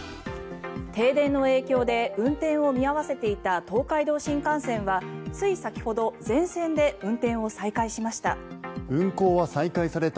停電の影響で運転を見合わせていた東海道新幹線はつい先ほど全線で運転を再開しました。